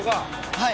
はい。